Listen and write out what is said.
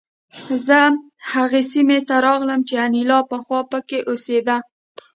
زه هغې سیمې ته راغلم چې انیلا پخوا پکې اوسېده